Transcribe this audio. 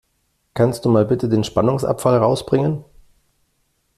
Kannst du mal bitte den Spannungsabfall rausbringen?